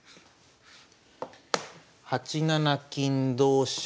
８七金同飛車